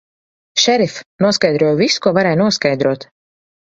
Šerif, noskaidroju visu, ko varēja noskaidrot.